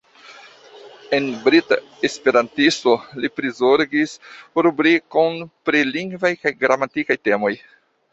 En Brita Esperantisto li prizorgis rubrikon pri lingvaj kaj gramatikaj temoj.